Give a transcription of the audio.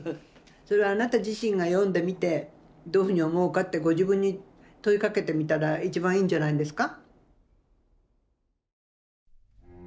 それはあなた自身が読んでみてどういうふうに思うかってご自分に問いかけてみたら一番いいんじゃないんですか？